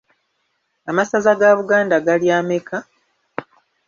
Amasaza ga Buganda gali ameka?